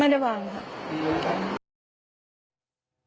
ไม่ได้วางครับ